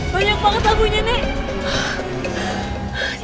banyak banget labunya nek